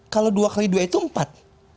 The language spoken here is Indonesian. kalau dua x dua itu empat